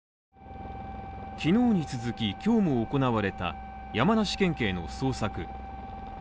昨日に続き、今日も行われた山梨県警の捜索。